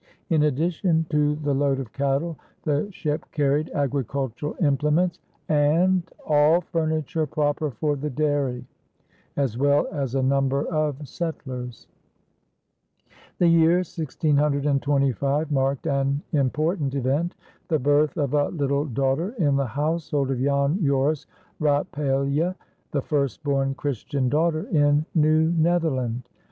In addition to the load of cattle, the ship carried agricultural implements and "all furniture proper for the dairy," as well as a number of settlers. The year 1625 marked an important event, the birth of a little daughter in the household of Jan Joris Rapaelje, the "first born Christian daughter in New Netherland."